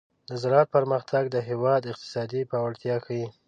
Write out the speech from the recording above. د زراعت پرمختګ د هېواد اقتصادي پیاوړتیا ښيي.